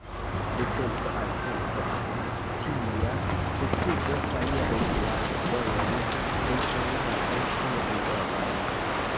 De tempo al tempo, apatia testudo trairis la vojon kuntrenante sian domon.